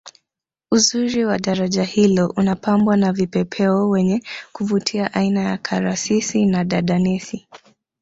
uzuri wa daraja hilo unapambwa na vipepeo wenye kuvutia aina ya karasisi na dadanesi